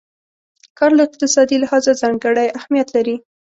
کار له اقتصادي لحاظه ځانګړی اهميت لري.